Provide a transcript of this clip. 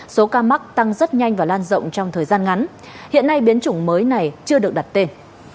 số ca mắc tăng rất nhanh và lan rộng trong thời gian ngắn hiện nay biến chủng mới này chưa được đặt tên